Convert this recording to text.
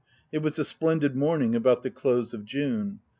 It was a splendid morning about the close of June.